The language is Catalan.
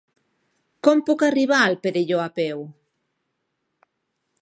Com puc arribar al Perelló a peu?